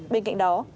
bên cạnh đó